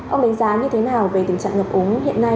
ông đánh giá như thế nào về tình trạng ngập úng hiện nay